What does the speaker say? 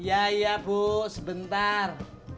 iya iya bu sebentar